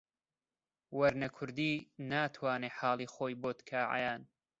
وەرنە کوردی ناتوانێ حاڵی خۆی بۆت کا عەیان